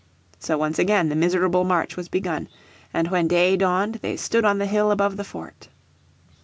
So once again the miserable march was begun, and when day dawned they stood on the hill above the fort